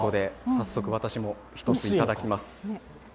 早速、私も１ついただきます。